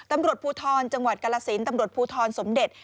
ตำรวจภูทรจังหวัดกาลสินตำรวจภูทรสมเด็จ